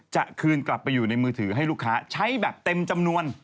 จะคืนกลับไปอยู่ในมือถือให้ลูกค้าใช้แบบเต็มจำนวน